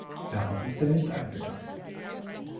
Darauf ist er nicht eingegangen.